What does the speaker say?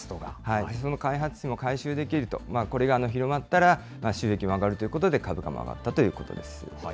その開発費も回収できると、これが広まったら収益も株価も上がるということで、株価も上がったということです。